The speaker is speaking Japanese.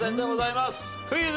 クイズ。